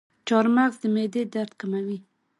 چارمغز د معدې درد کموي.